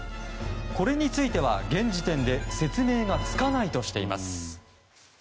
これについては、現時点で説明がつかないとしています。